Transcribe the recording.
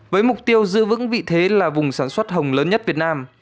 với mục tiêu giữ vững vị thế là vùng sản xuất hồng lớn nhất việt nam